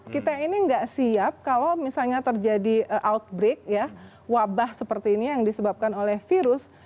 kita ini nggak siap kalau misalnya terjadi outbreak ya wabah seperti ini yang disebabkan oleh virus